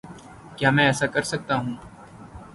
کیا میں ایسا کر سکتا ہوں؟